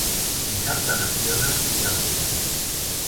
Dissabte na Fiona irà a Prullans.